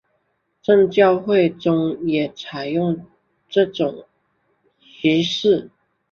正教会中也采用这种仪式。